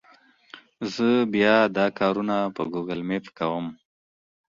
زه بیا دا کارونه په ګوګل مېپ کوم.